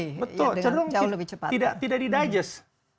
betul cenderung tidak didigest